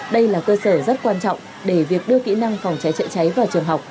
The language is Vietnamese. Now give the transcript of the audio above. đây là cơ sở rất quan trọng để việc đưa kỹ năng phòng cháy chữa cháy vào trường học